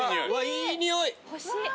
いい匂い！